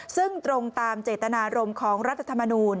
ซึ่งตรงตามเจตนารมณ์ของรัฐธรรมนูล